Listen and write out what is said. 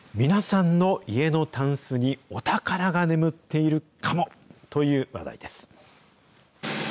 皆さんの家のタンスにお宝が眠っているかも？という話題です。